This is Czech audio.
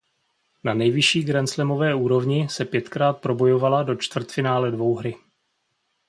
Na nejvyšší grandslamové úrovni se pětkrát probojovala do čtvrtfinále dvouhry.